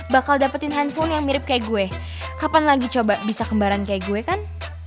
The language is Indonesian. bakal dapetin handphone yang mirip kayak gue kapan lagi coba bisa kembaran kayak gue kan